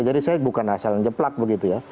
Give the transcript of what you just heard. jadi saya bukan asal yang jeplak begitu ya